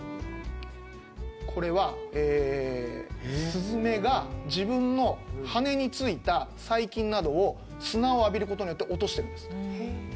これはスズメが自分の羽についた細菌などを砂を浴びることによって落としているんです。